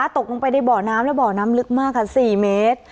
ตกลงไปในเบาะน้ำแล้วเบาะน้ำลึกมากค่ะสี่เมตร